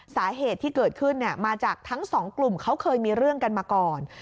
สาเหตุที่เกิดขึ้นมาจากทั้งสองกลุ่มเขาเคยมีเรื่องกันมาก่อน